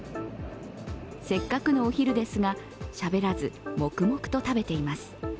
せっかくのお昼ですが、しゃべらず黙々と食べています。